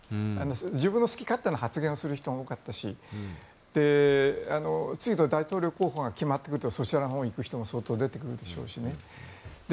自分の好き勝手な発言をする人も多かったし次の大統領候補が決まってくるとそちらのほうに行く人も相当出てくるでしょうしね。